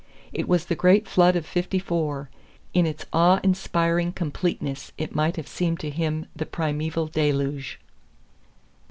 It was the great flood of '54. In its awe inspiring completeness it might have seemed to him the primeval Deluge.